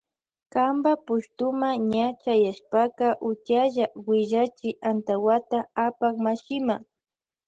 Kanpa pushtuma ña chayashpaka utiyalla willachi antawata apak mashima.